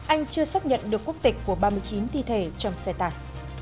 anh chưa xác nhận được quốc tịch của ba mươi chín thi thể trong xe tải